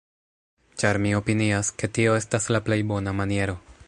ĉar mi opinias, ke tio estas la plej bona maniero